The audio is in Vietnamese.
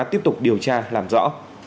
tiếp tục điều tra làm rõ